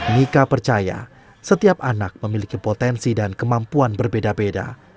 nika percaya setiap anak memiliki potensi dan kemampuan berbeda beda